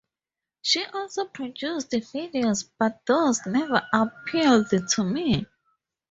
She also produced videos, but those never appealed to me.